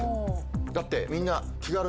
だってみんな。